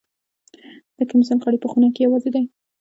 د کمېسیون غړي په خونه کې یوازې دي.